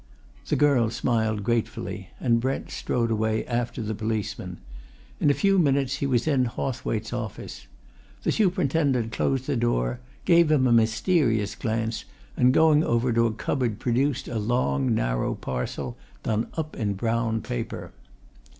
The girl smiled gratefully, and Brent strode away after the policeman. In a few minutes he was in Hawthwaite's office. The superintendent closed the door, gave him a mysterious glance, and going over to a cupboard produced a long, narrow parcel, done up in brown paper.